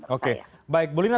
oke baik bu lina